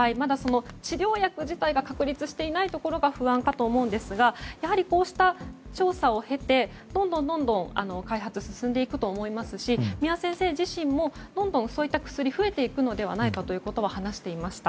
治療薬自体が確立していないところが不安かと思うんですがやはり、こうした調査を経てどんどん開発が進んでいくと思いますし三輪先生自身もそういった薬が増えていくのではないかと話していました。